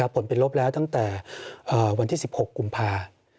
ผลเป็นลบแล้วตั้งแต่วันที่๑๖กุมภา